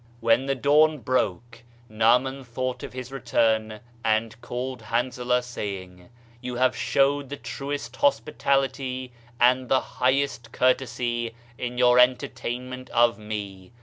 When the dawn broke, Naaman thought of his return and called Hanzalah saying, "You have showed the truest hospitality and the highest courtesy in your entertainment of me.